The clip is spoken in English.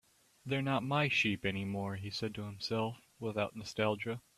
"They're not my sheep anymore," he said to himself, without nostalgia.